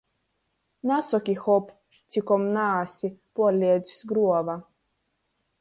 Nasoki “hop”, cikom naesi puorliecs gruova.